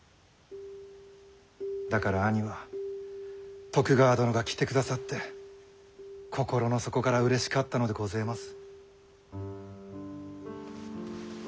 だから兄は徳川殿が来てくださって心の底からうれしかったのでごぜます。